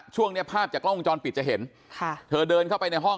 ช่วงนี้ภาพแบบกล้องจรปิดจะเห็นเธอเดินเข้าไปในห้อง